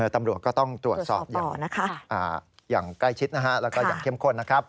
ตำรวจก็ต้องตรวจสอบอย่างใกล้ชิดนะฮะแล้วก็อย่างเข้มข้นนะครับ